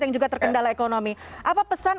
yang juga terkendala ekonomi apa pesan